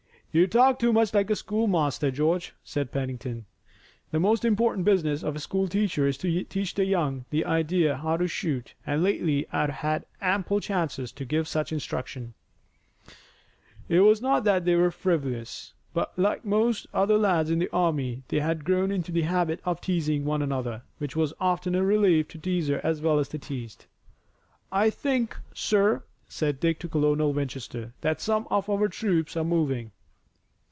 "You talk too much like a schoolmaster, George," said Pennington. "The most important business of a school teacher is to teach the young idea how to shoot, and lately I've had ample chances to give such instruction." It was not that they were frivolous, but like most other lads in the army, they had grown into the habit of teasing one another, which was often a relief to teaser as well as teased. "I think, sir," said Dick to Colonel Winchester, "that some of our troops are moving."